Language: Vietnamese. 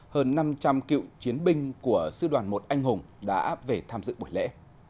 hơn năm trăm linh cựu chiến binh của sư đoàn một anh hùng đã về tham dự buổi lễ